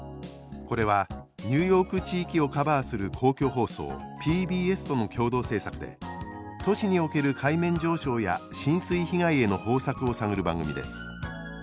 これはニューヨーク地域をカバーする公共放送ＰＢＳとの共同制作で都市における海面上昇や浸水被害への方策を探る番組です。